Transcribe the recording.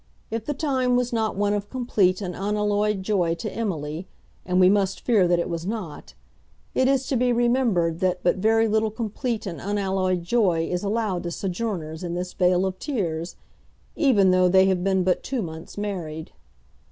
If the time was not one of complete and unalloyed joy to Emily, and we must fear that it was not, it is to be remembered that but very little complete and unalloyed joy is allowed to sojourners in this vale of tears, even though they have been but two months married.